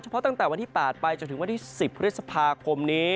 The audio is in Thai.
เพราะตั้งแต่วันที่๘ไปจนถึงวันที่๑๐พฤษภาคมนี้